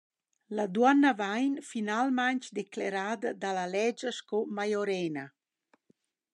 La duonna vain finalmaing declerada da la ledscha sco majorena.